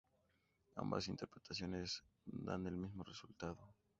Ambas interpretaciones dan el mismo resultado.